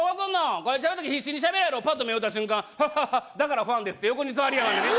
こいつやる時必死に喋るやろパッと目合うた瞬間ハハハだからファンですって横に座りやがるええ